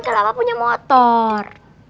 kalau apa punya motor